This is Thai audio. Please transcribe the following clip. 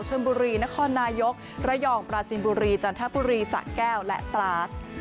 ชนบุรีนครนายกระยองปราจินบุรีจันทบุรีสะแก้วและตราด